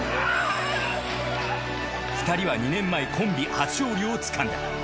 ２人は２年前コンビ初勝利をつかんだ。